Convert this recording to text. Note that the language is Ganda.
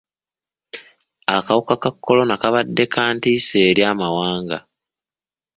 Akawuka ka kolona kabadde ka ntiisa eri amawanga.